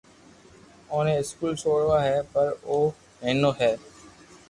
اوني اسڪول سوڙوہ ھي پر او نينو ھي